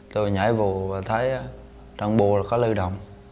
tôi nhảy vù và thấy đoàn bộ có lưu đồng